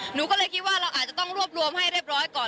หนูก็เลยคิดว่าเราอาจจะต้องรวบรวมให้เรียบร้อยก่อน